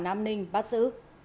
hà nam ninh bắt giữ